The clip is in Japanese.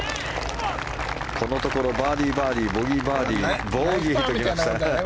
このところバーディー、バーディーボギー、バーディーボギーと来ましたね。